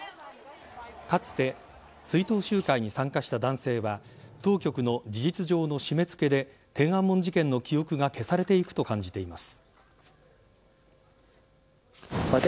かつて追悼集会に参加した男性は当局の事実上の締め付けで天安門事件の記憶が消されていくと感じています。